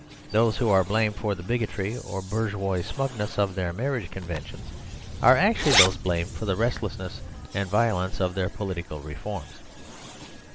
Those who are blamed for the bigotry or bourgeois smugness of their marriage conventions are actually those blamed for the restlessness and violence of their political reforms.